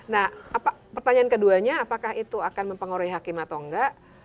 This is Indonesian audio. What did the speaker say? nah pertanyaan keduanya apakah itu akan mempengaruhi hakim atau enggak